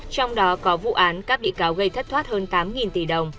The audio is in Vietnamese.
trong đó có vụ án các bị cáo gây thất thoát hơn tám tỷ đồng